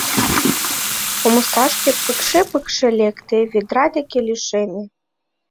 Омсашке пыкше-пыкше лекте, ведра деке лишеме.